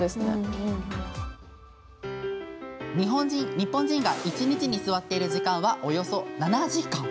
日本人が一日に座っている時間はおよそ７時間。